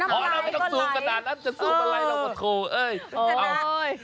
อ๋อเราไม่ต้องสูงกระดาษนั้นจะสูงกระไรเราบทครู